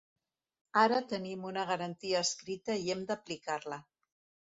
Ara tenim una garantia escrita i hem d’aplicar-la.